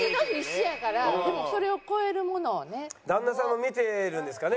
旦那さんも見てるんですかね？